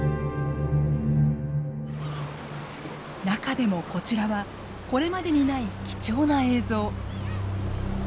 中でもこちらはこれまでにない貴重な映像。